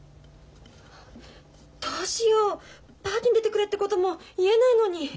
どうしようパーティーに出てくれってことも言えないのに。